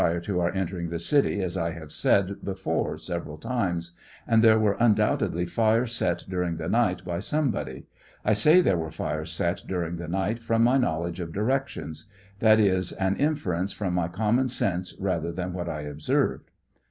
or to our entering the city, as I have said before several times ; and there were, undoubtedly, fires set during the night by some body ; I say there were fires set during the night from my knowledge of directions ; that is an inference from my common sense rather than what 1 observed.